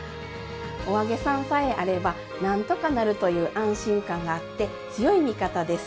お揚げさんさえあれば何とかなるという安心感があって強い味方です。